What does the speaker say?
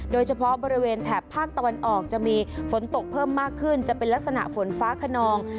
โดยเฉพาะบริเวณแถบภาคตะวันออกจะมีฝนตกเพิ่มมากขึ้นจะเป็นลักษณะฝนฟ้าขนอง